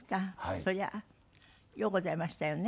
それはようございましたよね。